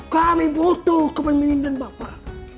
kami butuh kemimpinan bapak